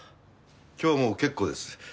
今日はもう結構です。